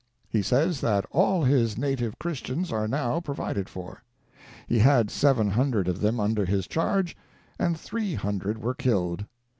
He says that all his native Christians are now provided for. He had seven hundred of them under his charge, and three hundred were killed.